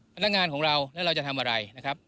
พนักงานของเราแล้วเราจะทำอะไรนะครับ